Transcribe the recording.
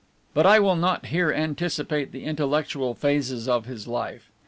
But I will not here anticipate the intellectual phases of his life.